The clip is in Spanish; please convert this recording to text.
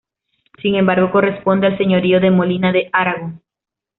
Sin embargo, corresponde al Señorío de Molina de Aragón.